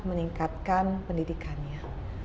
dan meningkatkan pendidikannya